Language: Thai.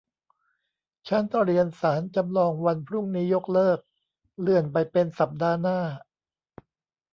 ชั้นเรียนศาลจำลองวันพรุ่งนี้ยกเลิก เลื่อนไปเป็นสัปดาห์หน้า